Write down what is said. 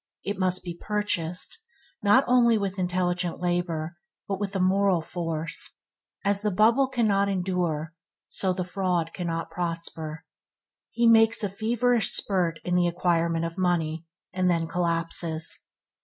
It must be purchased, not only with intelligent labor, but with moral force. as the bubble cannot endure, so the fraud cannot prosper. He makes a feverish spurt in the acquirement of money, and then collapses.